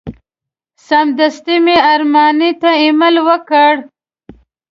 سمدستي مې ارماني ته ایمیل ورکړ.